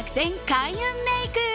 開運メイク。